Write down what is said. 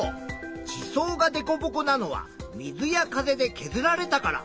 地層がデコボコなのは水や風でけずられたから。